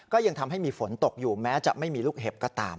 ก็ยังทำให้มีฝนตกอยู่แม้จะไม่มีลูกเห็บก็ตาม